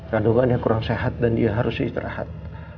kandungannya kurang sehat dan dia harus istirahat